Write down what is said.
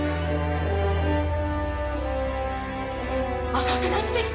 赤くなってきた！